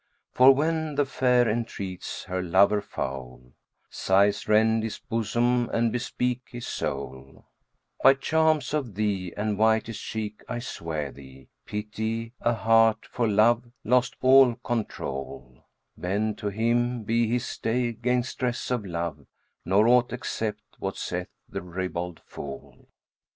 For, when the fair entreats her lover foul, * Sighs rend his bosom and bespeak his soul By charms of thee and whitest cheek I swear thee, * Pity a heart for love lost all control Bend to him, be his stay 'gainst stress of love, * Nor aught accept what saith the ribald fool.'"